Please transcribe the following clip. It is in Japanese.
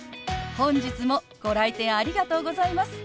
本日もご来店ありがとうございます！